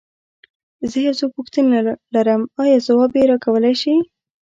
زه يو څو پوښتنې لرم، ايا ځواب يې راکولی شې؟